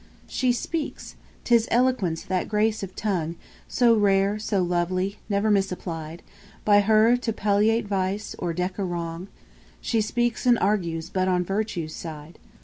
7. She speaks! 'Tis eloquence, that grace of tongue, So rare, so lovely, never misapplied By her, to palliate vice, or deck a wrong: She speaks and argues but on virtue's side.